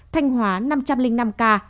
thanh hóa năm trăm linh năm ca